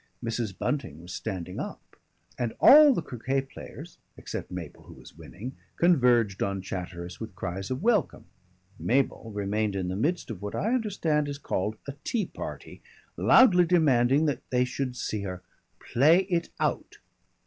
Mrs. Bunting was standing up, and all the croquet players except Mabel, who was winning converged on Chatteris with cries of welcome. Mabel remained in the midst of what I understand is called a tea party, loudly demanding that they should see her "play it out."